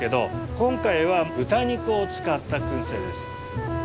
今回は豚肉を使った燻製です。